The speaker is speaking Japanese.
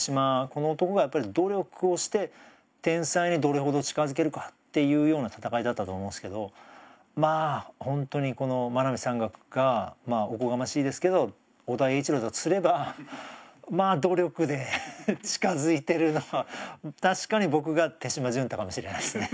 この男がやっぱり努力をして天才にどれほど近づけるかっていうような戦いだったと思うんですけどほんとにこの真波山岳がおこがましいですけど尾田栄一郎だとすればまあ努力で近づいてるのは確かに僕が手嶋純太かもしれないですね。